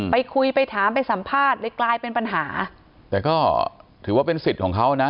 ไปคุยไปถามไปสัมภาษณ์เลยกลายเป็นปัญหาแต่ก็ถือว่าเป็นสิทธิ์ของเขานะ